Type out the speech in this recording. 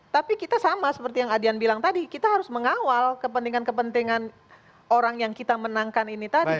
tapi kita sama seperti yang adian bilang tadi kita harus mengawal kepentingan kepentingan orang yang kita menangkan ini tadi